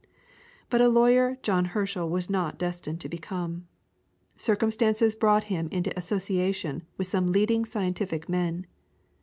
But a lawyer John Herschel was not destined to become. Circumstances brought him into association with some leading scientific men.